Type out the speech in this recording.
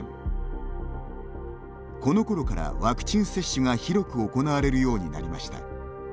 このころからワクチン接種が広く行われるようになりました。